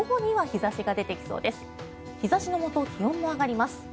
日差しのもと気温も上がります。